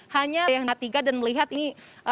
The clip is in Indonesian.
hanya yang ketiga dan melihat ini